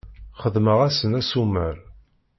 Xedmeɣ-asen assumer.